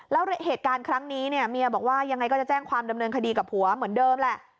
แล้วเหตุการณ์ครั้งนี้เนี่ยเมียบอกว่ายังไงก็จะแจ้งความดำเนินคดีกับผัวเหมือนเดิมแหละ